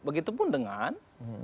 begitu pun dengan